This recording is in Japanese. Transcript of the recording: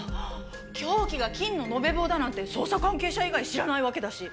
凶器が金の延べ棒だなんて捜査関係者以外知らないわけだし。